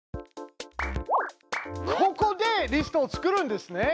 ここでリストを作るんですね！